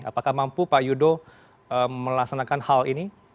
apakah mampu pak yudo melaksanakan hal ini